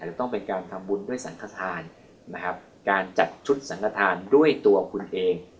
จะต้องเป็นการทำบุญด้วยสังขทานนะครับการจัดชุดสังฆฐานด้วยตัวคุณเอง